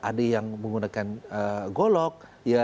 ada yang menggunakan golok